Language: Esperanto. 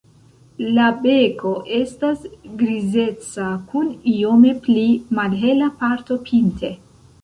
La beko estas grizeca kun iome pli malhela parto pinte.